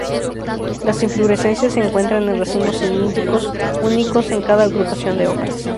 Las inflorescencias se encuentran en racimos cilíndricos, únicos en cada agrupación de hojas.